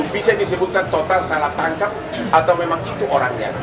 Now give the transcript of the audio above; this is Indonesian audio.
bisa disebutkan total salah tangkap atau memang itu orangnya